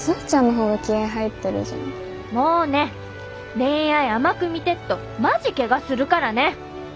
恋愛甘く見てっとマジけがするからね！